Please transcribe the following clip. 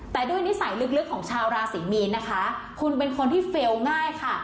แต่ด้วยนิสัยลึกของชาวราศรีมีนนะคะคุณเป็นคนที่เฟลล์ง่ายค่ะ